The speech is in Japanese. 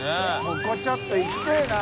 ここちょっと行きたいな。